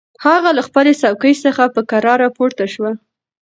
هغه له خپلې څوکۍ څخه په کراره پورته شوه.